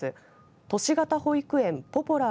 都市型保育園ポポラー